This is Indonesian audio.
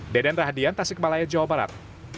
deden rahadian tasik malaya jawa barat